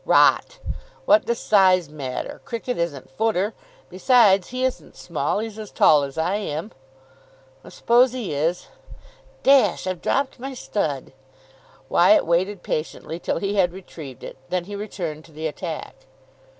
"Rot. What does size matter? Cricket isn't footer. Besides, he isn't small. He's as tall as I am." "I suppose he is. Dash, I've dropped my stud." Wyatt waited patiently till he had retrieved it. Then he returned to the attack.